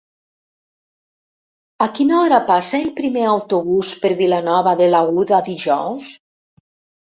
A quina hora passa el primer autobús per Vilanova de l'Aguda dijous?